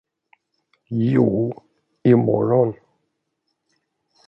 Jo, i morgon.